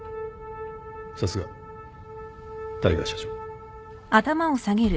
さすが大海社長。